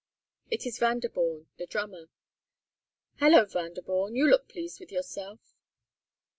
It is Vanderborn, the drummer. "Hullo, Vanderborn, you look pleased with yourself!"